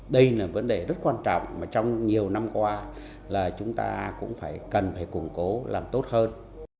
đây là vấn đề rất quan trọng mà trong nhiều năm qua là chúng ta cũng phải cần phải củng cố làm tốt hơn